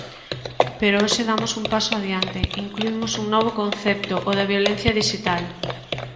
Pero hoxe damos un paso adiante: incluímos un novo concepto, o da violencia dixital.